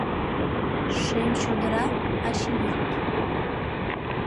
Шем чодыра - ачием